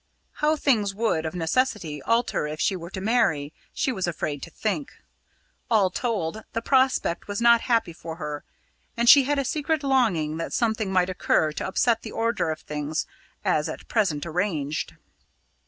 How things would, of necessity, alter if she were to marry, she was afraid to think. All told, the prospect was not happy for her, and she had a secret longing that something might occur to upset the order of things as at present arranged.